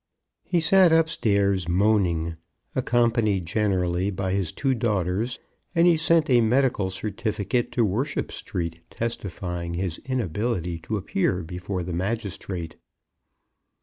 He sat upstairs moaning, accompanied generally by his two daughters; and he sent a medical certificate to Worship Street, testifying his inability to appear before the magistrate.